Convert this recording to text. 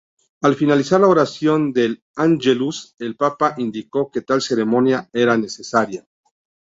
Al finalizar la oración del Ángelus, el Papa indicó que tal ceremonia era necesaria.